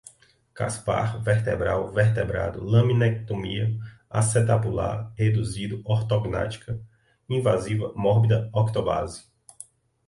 caspar, vertebral, vertebrado, laminectomia, acetabular, reduzido, ortognática, invasiva, mórbida, octobase